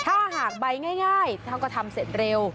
ถ้าหากใบง่ายท่านก็ทำเสร็จเร็ว